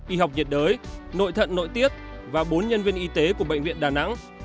y học nhiệt đới nội thận nội tiết và bốn nhân viên y tế của bệnh viện đà nẵng